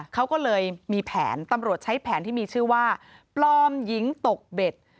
เขาก็เลยมีแผนตำรวจใช้แผนที่มีชื่อว่าปลอมหญิงตกเบ็ด